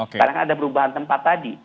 karena kan ada perubahan tempat tadi